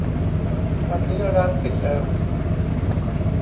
วันนี้ร้านปิดเร็ว